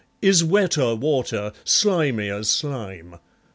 Is wetter water, slimier slime!